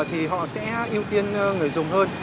thì họ sẽ ưu tiên người dùng hơn